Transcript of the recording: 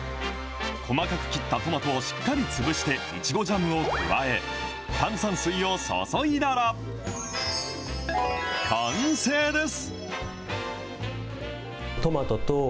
細かく切ったトマトをしっかり潰して、いちごジャムを加え、炭酸水を注いだら、完成です。